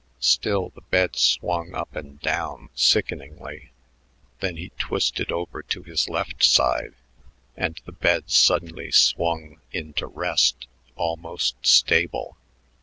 Still the bed swung up and down sickeningly. Then he twisted over to his left side, and the bed suddenly swung into rest, almost stable.